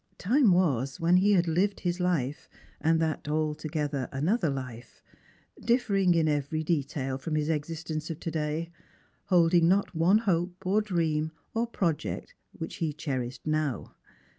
Time was when he had Hved his life, and thai altogether another life, difiering in every detail from his exist ence of to day, holding not one hope, or dream, or project which he cherished now.